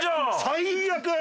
最悪！